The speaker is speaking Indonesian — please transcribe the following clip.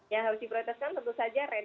yang harus diprioritaskan tentu saja